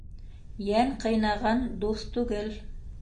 Йән ҡыйнаған дуҫ түгел.